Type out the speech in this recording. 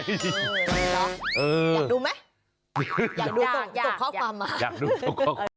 หรออยากดูมั้ยอยากดูตกข้อความมาก